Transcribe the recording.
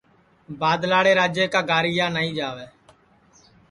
بادلاڑے راجے کا گاریا نائی جاوے